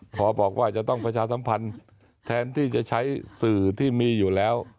พอบอกว่าจะต้องประชาสัมพันธ์แทนที่จะใช้สื่อที่มีอยู่แล้ว